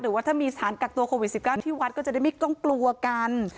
หรือว่าถ้ามีสถานกักตัวโควิด๑๙ที่วัดก็จะได้ไม่ต้องกลัวกัน